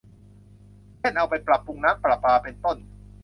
เช่น เอาไปปรับปรุงน้ำประปา เป็นต้น